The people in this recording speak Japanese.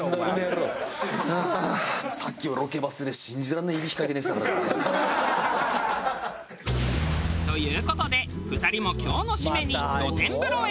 さっきはロケバスで信じらんねえいびきかいて寝てたからな。という事で２人も今日の締めに露天風呂へ！